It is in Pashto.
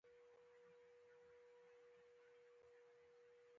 مشروطې مرستې دومره اغېزناکې هم نه دي.